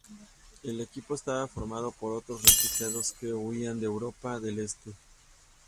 El equipo estaba formado por otros refugiados que huían de Europa del Este.